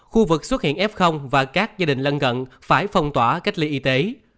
khu vực xuất hiện f và các gia đình lân cận phải phong tỏa cách ly y tế